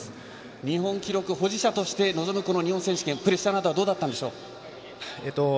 日本記録保持者として臨む日本選手権プレッシャーなどはどうだったんでしょう。